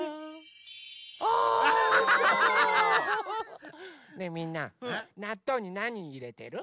おお！ねえみんななっとうになにいれてる？